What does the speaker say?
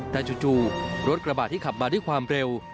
แต่จู่รถกระบาดที่ขับมาด้วยความเร็ว